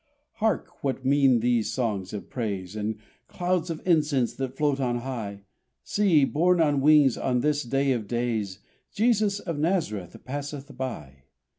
Hark, what mean these songs of praise And clouds of incense that float on high? See! borne on wings on this day of days, Jesus of Nazareth passeth by!